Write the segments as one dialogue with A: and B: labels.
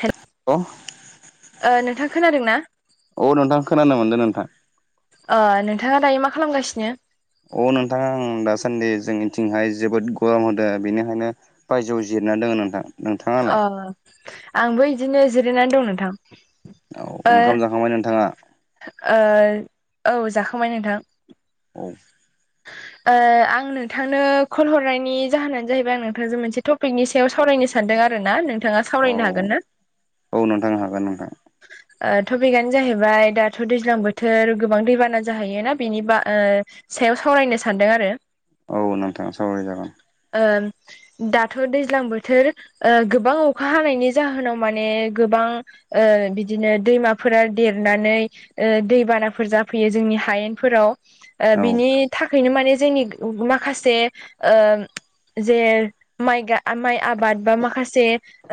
A: Hello
B: [unintelligible]
A: ओ नोंथां खोनादोंना
B: औ नोंथां खोनानो मोनदों नोंथां।
A: नोंथाङा दायो मा खालामगासिनो?
B: अ नोंथां आं दासान्दि जोंनिथिंहाय जोबोद गरम होदों बेनिखायनो बायजोआव जिरना दङ नोंथां।
A: अ
B: नोंथाङालाय
A: आंबो इदिनो जिरायनानै दं नोंथां।
B: औ
A: ओ
B: ओंखाम जाखांबाय नोंथाङा।
A: औ जाखोमाय नोंथां।
B: औ।
A: आं नोंथांनो कल हरनायनि जाहोनानो जाहैबाय आं नोंथांजों मोनसे टपि पिकनि सायाव सावरायनो सानदों आरोना नोंथाङा
B: औ
A: सावरायनो हागोन ना?
B: औ नोंथां हागोन नोंथां
A: थपिकआनो जाहैबाय दाथ' दैज्लां बोथोर गोबां दैबाना जाहैयोना बेनि बा सायाव सावरायनो सानदों आरो।
B: औ नोंथाङा सावराय जागोन।
A: दाथ' दैज्लां बोथोर गोबां अखा हानायनि जाहोनाव माने गोबां बिदिनो दैमाफोरा देरनानै दैबानाफोर जाफैयो जोंनि हायेनफोराव ओ
B: औ
A: बिनि थाखायनो माने जोंनि माखासे जे माइ माइ आबाद बा माखासे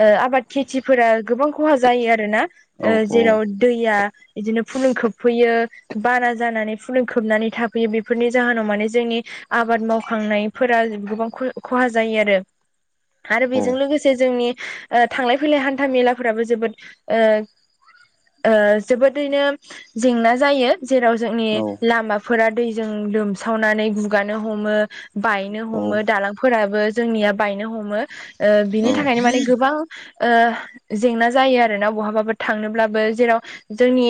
A: आबाद खेथिफोरा गोबां खहा जायो आरोना
B: औ
A: जेराव दैया बिदिनो फुलुं खोबफैयो बारा जानानै फुुं खोबनानै था फैयो बेफोरनि जाहोनाव माने जोंनि आबाद मावखांनायफोरा गोबां खहा जायो आरो आरो
B: औ
A: बेजों लोगोसे से जोंनि थांलाय फैलाय हान्था मेलाफोराबो जोबोद जोबोदैनो जेंना जायो। जेराव जोंनि
B: औ
A: लामाफोरा दैजों लोमसावनानै गुगानो हमो। बायनो
B: औ
A: हमो दालांफोराबो जोंनिया बायनो हमो।
B: औ
A: बिनि थाखायनो माने गोबां जेंना जायो आरोना बहाबाबो थांनोब्लाबो जेराव जोंनि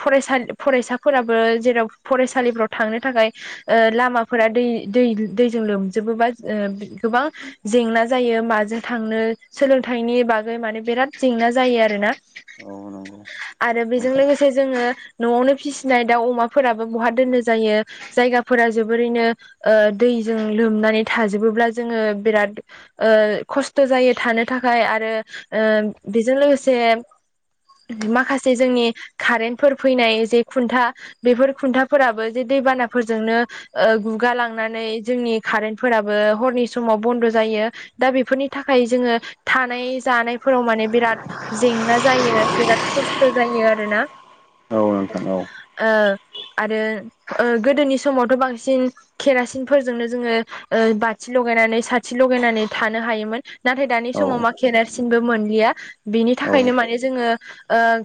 A: फरायसालि फरायसाफोराबो जेराव फरायसालिफोराव थांनो थाखाय लामाफोरा दै दै दैजों लोमजोबोबा गोबां जेंना जायो माजों थांनो सोलोंथाइनि बागै माने बिराद जेंना जायो आरोना
B: औ नंगौ
A: आरो बेजों
B: नोंथां
A: लोगोसे जोङो न'आवनो फिसिनाय दाउ अमाफोराबो बहा दोननो जायो। जायगाफोरा जोबोरैनो दैजों लोमनानै थाजोबोब्ला जोङो बिराद खस्थ' जायो थानो थाखाय आरो बेजों लोगोसे माखासे जोंनि कारेन्टफोर फैनाय जे खुन्था बेफोर खुन्थाफोराबो जे दैबानाफोरजोंनो गुगालांनानै जोंनि कारेन्टफोराबो हरनि समाव बन्द जायो‌। दा बेफोरनि थाखाय जोङो थानाय जानायफोराव माने बिराद जेंना जायो बिराद खस्थ जायो आरोना।
B: औ नोंथां औ।
A: आरो गोदोनि समावथ बांसिन केरासिनफोरजोंनो जोङो बाथि लगायनानै साथि लगायनानै थानो हायोमोन। नाथाय दानि
B: औ
A: समाव मा खेरासिनबो मोनलिया बिनि
B: औ
A: थाखायनो माने जोङो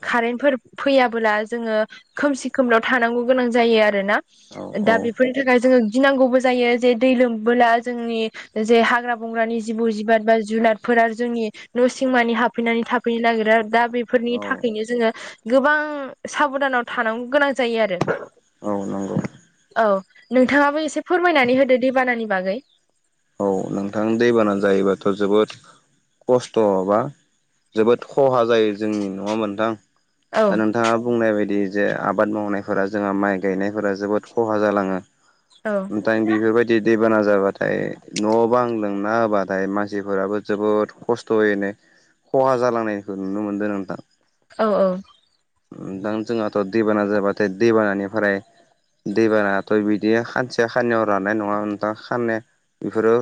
A: कारेनफोर फैयाब्ला जोङो खोमसि खोमलाव थानां गोनां जायो आरोना
B: औ
A: दा बेफोर थाखाय जोङो गिनांगौबो जायो जे दै लोमबोला जोंनि जे हाग्रा बंग्रानि जिबौ जिबार बा जुनादफोरा जोंनि न' सिंमानि हाबफैनानै थाफैनो नागिरो आरो दा बे फोरनि
B: औ
A: थाखायनो जोङो गोबां साबधानाव थानांगौ गोनां जायो आरो।
B: औ नंगौ।
A: औ नोंथाङाबो एसे फोरमायनानै होदो दैबानानि बागै।
B: औ नोंथां दैबाना जायोबाथ जोबोद खस्थ' बा जोबोद खहा जायो जोंनि नङामोनोंथां
A: औ
B: दा नोंथ नोंथाङा बुंनाय बायदि जे आबाद मावनायफोरा जोंहा माइ गायनायफोरा जोबोद खहा जालाङो।
A: औ।
B: ओमफ्राय बेफोरबायदि दैबाना जाबाथाय। न बां लोंना होबाथाय मानसिफोराबो जोबोद खस्थ जायो। खहा जालांनायखौ नुनो मोनदों नोंथां।
A: औ औ।
B: दां जोंहाथ दैबाना जाबाथाय दैबानानिफ्राय। दैबानाथ' बिदि खानसेया खाननियाव रानाय नङा नोंथां खाननाय बेफोरो।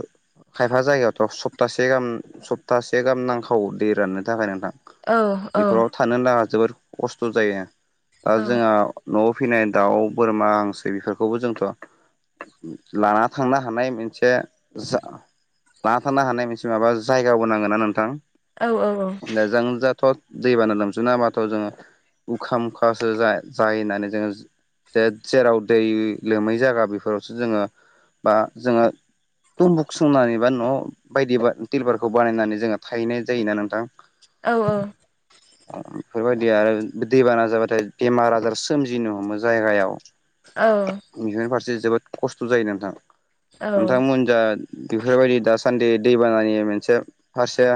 B: खायफा जायगायावथ सप्तासे गाहाम सप्तासे गाहाम नांखाव दै राननो थाखाय नोंथां।
A: औ औ
B: बेफोराव थानो नाङा जोबोद खस्थ जायो दा
A: औ
B: जोंहा। न'आव फैनाय दाउ बोरमा हांसो बेफोरखौबो जोंथ'। लाना थांनो हानाय मोनसे जा लान थारानो हानाय मोनसे माबा जायगाबो नांगोना नोंथां।
A: औ औ औ।
B: द जों जाथ' दैबानानो लोमसो ना हाबाथ' जोङो उखा मुखासो जायो होननानै जोङो। जे जेराव दै लोमै जायागा बेफोरावसो जोङो बा जोङो। दुम्बुक संनानै बा न' बायदि टिलबारखौ बानायनानै जोङो थाहैनाय जायोना नोंथां।
A: औ औ।
B: बेफोरबायदि आरो। दैबाना जाबाथाय बेमार आजार सोमजिनो हमो जायगायाव
A: औ
B: बिफोरनि फारसे जोबोद खस्थ जायो नोंथां
A: औ
B: नोंथां दा बेफोरबायदि दासान्दि दैबानानि मोनसे फारसे।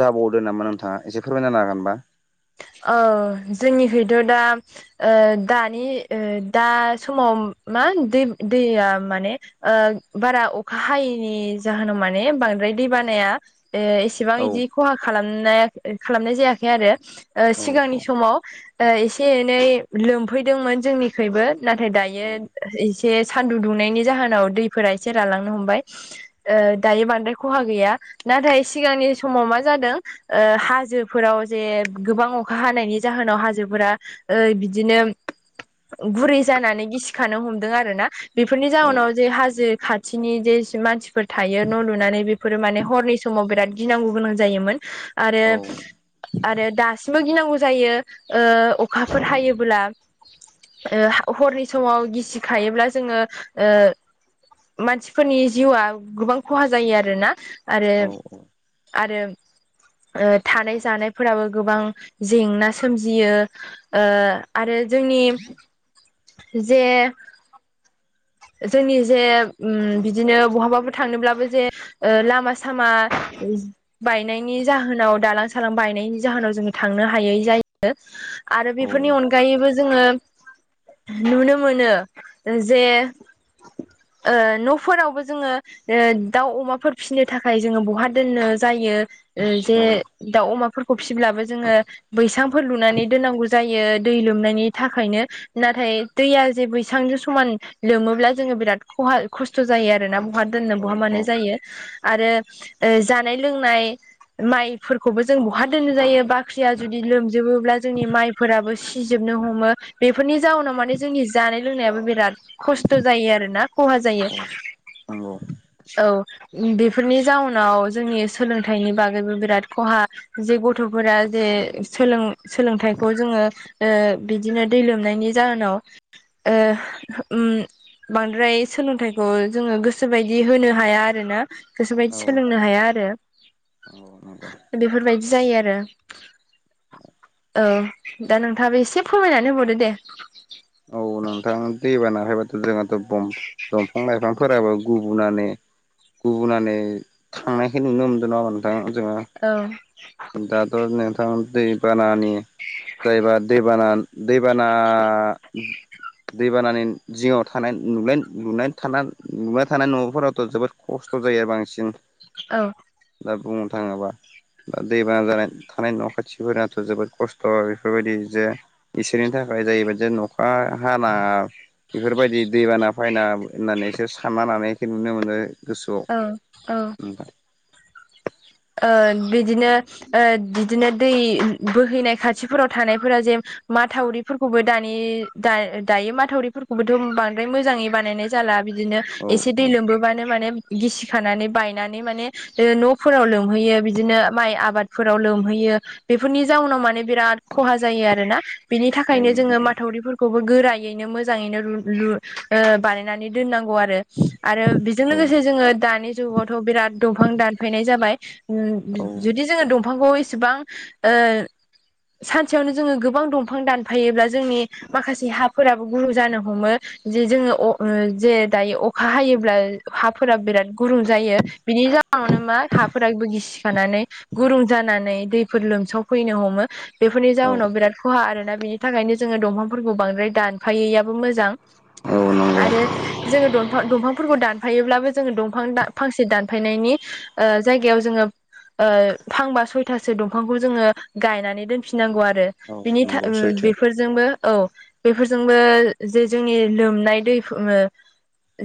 B: जाबावदो नामा नोंथाङा एसे फोरमायना हागोनबा?
A: ओ‌ जोंनिफ्रायथ' दा ओ दानि दा समाव मा दै दैया माने ओ बारा अखा हायैनि जाहोनाव माने बांद्राय दै बानाया एसे इसेबां
B: औ
A: बिदि खहा खालामनाय खालामनाय जायाखै आरो
B: औ
A: सिगांनि समाव। एसे एनै लोमफैदोंमोन जोंनिखबो नाथाय
B: औ
A: दायो। एसे सान्दुं दुंनायनि जाहोनाव दैफोरा एसे रालांनो हमबाय। ओ दायो बांद्राय खहा गैया नाथाय सिगांनि समाव मा जादों। ओ हाजोफोराव जे गोबां अखा हानायनि जाहोनाव हाजोफोरा ओ बिदिनो गुरै जानानै गिसिखानो हमदों आरो ना बेफोरनि जउनाव जे हाजो खाथि। खाथिनि जे मानसिफोर थायो न' लुनानै बेफोरो माने हरनि समाव बिराद गिनांगौ गोनां जायोमोन। आरो
B: औ
A: आरो। दासिमबो गिनांगौ जायो अखाफोर हायोबोला हरनि समाव गिसिखायोब्ला जोङो ओ मानसिफोरनि जिउआ गोबां खहा जायो आरोना आरो
B: औ
A: आरो ओथानाय जानायफोराबो गोबां जेंना सोमजियो आरो जोंनि जे जोंनि जे बिदिनो बहाबाबो थांनोब्लाबो जे ओ लामा सामा बायनायनि जाहोनाव दालां सालां बायनायनि जाहोनाव जोङो थांनो हायै जायो। आरो बेफोरनि अनगायैबो जोङो नुनो मोनो जे। ओ न'फोरावबो जोङो ओ दाउ अमाफोर फिसिनो थाखाय जोङो बहा दोननो जायो जे दाउ अमाफोरखौ फिसिब्लाबो जोङो। बैसांफोर लुनानै दोननांगौ जायो दै लोमनायनि थाखायनो नाथाय दैया जे बैसांजों समान लोमोब्ला जोङो बिराद खहा खस्थ' जायो आरोना बहा दोननो
B: औ
A: बहा मानो
B: औ
A: जायो। आरो जानाय-लोंनाय माइफोरखौबो जों बहा दोननो जायो बाख्रिया जुदि
B: औ
A: लोमजोबोब्ला जोंनि माइ फोराबो सिजोबनो हमो बेफोरनि जाउनाव माने जोंनि जानाय लोंनायाबो बिराद। खस्थ' जायो आरोना खहा जायो
B: औ नंगौ औ नंगौ
A: औ। बेफोरनि जाउनाव जोंनि सोलोंथाइनि बागैबो बिराद खहा जे गथ'फोरा जे सोलों सोलोंथाइखौ जोङो ओ‌‌ बिदिनो दै लोमनायनि जाहोनाव ओ उम बांद्राय सोलोंथाइखौ जोङो गोसोबायदि होनो हाया आरोना गोसोबायदि सोलोंनो हाया आरो
B: नंगौ
A: बेफोरबायदि जायो आरो औ दा नोंथाङाबो एसे फोरमायनानै होबावदो दे
B: औ नोंथां दैबानाहायबाथ' जोंनाथ' गम
A: [inaudible]
B: दंफां लाइफांफोराबो गुबुनानै गुबुनानै थांनायखाय नुनो मोनदों नङा होमबा नोंथां जोङो।
A: औ।
B: दाथ' नोंथां दै बानानि जायबा दैबाना दैबाना दैबानानि जिङाव थानाय [unintelligible] नुबाय थानाय न'फोरावथ' जोबोद खस्थ' जायो आरो बांसिन
A: औ
B: दा बुंनो थाङोबा दा दैबाना जानाय थानाय न' खाथिफोरानाथ' जोबोद खस्थ' बेफोरबायदि जे इसोरनि थाखाय जाहैबायदि अखा हाना बेफोरबायदि दैबाना फायना होननानैसो सानना लानायखो नुनो मोनो गोसोआव
A: औ औ
B: नोंथां
A: ओ बिदिनो ओ बिदिनो दै बोहैनाय खाथिफोराव थानायफोराव जे माथावरिफोरखौबो दानि दायो माथावरिफोरखौबोथ' बांद्राय मोजाङै बानायनाय जाला बिदिनो
B: औ
A: एसे दै लोमबोबानो माने गिसि खानानै बायनानै न फोराव लोमहैयो बिदिनो माइ आबादफोराव लोमहैयो बेफोरनि जाउनाव माने बिराद खहा जायो आरोना बिनि
B: औ
A: थाखायनो जोङो
B: नंगौ
A: माथावरिफोरखौबो गोरायैनो मोजाङैनो लु लु बानाय नानै दोननांगौ आरो आरो बेजों
B: औ
A: लोगोसे जोङो दानि जुगावथ' बिराद दंफां दान फायनाय जाबाय
B: औ
A: जुदि जोङो दंफांखौ इसेबां ओ सानसेयावनो जोङो गोबां दंफां दानफायोब्ला जोंनि माखासे हाफोराबो गुरुं जानो हमो जे जोङो अ जे दायो अखा हायोब्ला हाफोरा बिराद गुरुं जायो बिनि जा [unintelligible] मा हाफोरबो गिसिखानानै गुरुं जानानै दैफोर लोमसावफैनो हमो बेफोरनि जाउनाव बिराद खहा आरोना बिनि थाखायनो जोङो दंफांफोरखौ बांद्राय दानफायैआबो मोजां
B: औ नंगौ
A: आरो जोङो दफां दंफांफोरखौ दानफायोब्लाबो जोङो दंफां फांसे दानफायनायनि आ जायगायाव जोङो आ फांबा सयथासो दंफांखौ जोङो गायनानै दोनफिननांगौ आरो
B: औ
A: बिनि था
B: नंगौ सैथो
A: बेफोर जोंबो औ बेफोरजोंबो जे जोंनि लोमनाय दै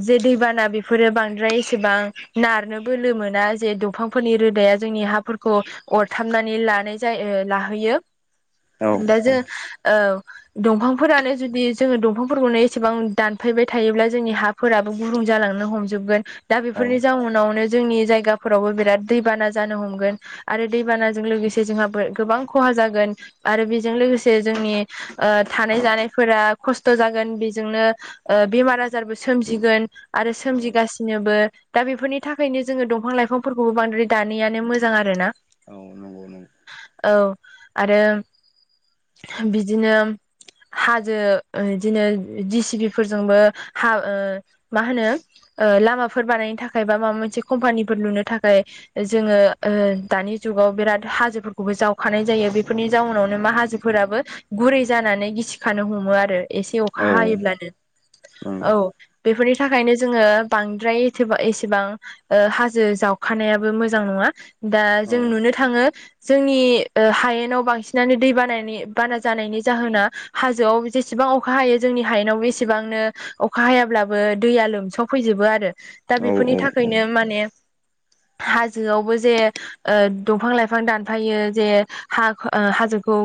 A: जे दैबाना बेफोरो बांद्राय एसेबां नारनो बोलो मोना जे दंफांफोरनि रोदाया जोंनि हाफोरखौ अरथामनानै लानाय जायो लाहैयो
B: औ
A: दा
B: औ
A: जों औ दंफांफोरानो जुदि जोङो दंफांफोरखौनो एसेबां दानफायबाय थायोब्ला जोंनि हा फोराबो गुुरुं जालांनो हमजोबगोन दा
B: औ
A: बेफोरनि जाउनावनो जोंनि जायगा फोरावबो बिराद दैबाना जानो हमगोन आरो दैबानाजों लोगोसे जोंहा गोबां खहा जागोन आरो बेजों लोगोसे जोंनि थानाय जानायफोरा खस्थ जागोन बेजोंनो बेमार आजारबो सोमजिगोन आरो
B: औ
A: सोमजिगासिनोबो दा बेफोरनि थाखायनो जोङो दंफां लाइफां दंफांफोरखौबो बांद्राय दानैयानो मोजां आरोना
B: औ नंगौ नंगौ
A: औ आरो बिदिनो हाजो इदिनो सिसिबिफोरजोंबो हा मा होनो लामाफोर बानायनो थाखाय बा माबा मोनसे कम्पानिफोर लुनो थाखाय जोङो ओ दानि जुगाव बिराद हाजोफोरखौबो जावखानाय जायो बेफोरनि जाउनावनो मा हाजो फोराबो गुरै जानानै गिथिखानो हमो आरो एसे अखा
B: औ
A: हायोब्लानो
B: नंगौ
A: औ बेफोरनि थाखायनो जोङो बांद्राय एसे एसेबां हाजो जाव अखानायाबो मोजां नङा दा
B: औ
A: जों नुनो थाङो जोंनि हायेनाव बांसिनानो दै बानानि बाना जानायनि जाहोना हाजोआव जेसेबां अखा हायो जोंनि हायेनाव बेसेबांनो अखा हायाब्लाबो दैया लोमसावफैजोबो आरो दा
B: औ
A: बेफोरनि
B: औ
A: थाखायनो माने हाजोआवबो जे दंफां लाइफां दानफायो जे हा हाजोखौ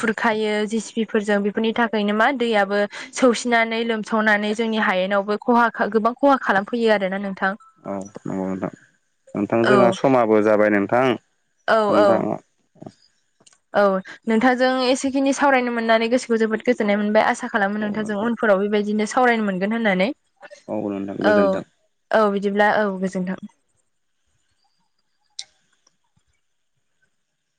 A: खुरखायो जिसिपिफोरजों बेफोरनि थाखायनो मा दैयाबो सौसिनानै लोमसावनानै जोंनि हायेनावबो खहा गोबां खहा खालामफैयो आरोना नोंथां
B: औ नंगौ नोंथां नोंथां
A: औ
B: जोंहा समाबो जाबाय नोंथां
A: औ औ
B: नोंथां
A: औ नोंथांजों एसेखिनि सावरायनो मोननानै गोसोखौ जोबोद गोजोननाय मोनबाय आसा खालामो नोंथांजों
B: नोंथां
A: उन फोराव बेबायदिनो सावरायनो मोनगोन होननानै
B: औ नोंथां
A: औ
B: गोजोन्थों
A: औ बिदिब्ला औ गोजोनथों